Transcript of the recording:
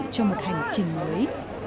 cho một hành trình mới